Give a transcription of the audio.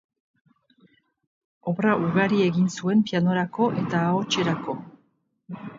Obra ugari egin zuen pianorako eta ahotserako.